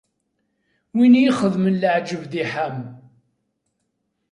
Win i ixedmen leɛǧayeb di Ḥam.